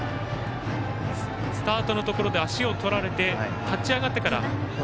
スタートのところで足を取られて立ち上がってから。